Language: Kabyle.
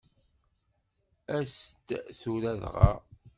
As-d tura dɣa.